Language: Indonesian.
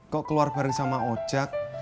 kok keluar bareng sama ojek